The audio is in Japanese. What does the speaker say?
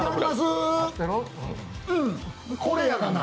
うん、これやがな。